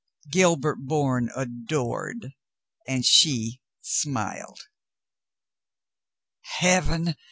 Gilbert Bourne adored, and she smiled. "Heaven